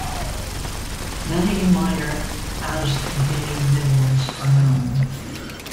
Many minor As-containing minerals are known.